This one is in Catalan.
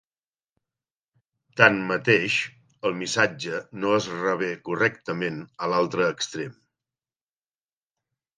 Tanmateix, el missatge no es rebé correctament a l'altre extrem.